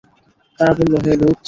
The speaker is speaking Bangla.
তারা বলল, হে লূত!